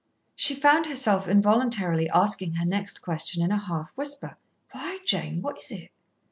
She found herself involuntarily asking her next question in a half whisper. "Why, Jane, what is it?"